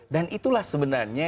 dan itulah sebenarnya